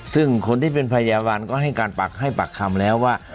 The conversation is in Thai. ซึ่งคนที่เป็นพยาบาลก็ให้การให้ปากคำแล้วว่า